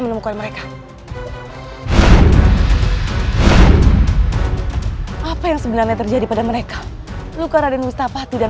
untuk anakmu dia mem responded sebagai tempatnya yang langsungutter